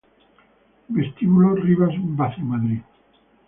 Vestíbulo Rivas Vaciamadrid